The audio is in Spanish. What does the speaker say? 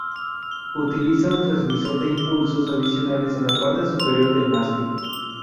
Utiliza un transmisor de impulsos adicionales en la parte superior del mástil.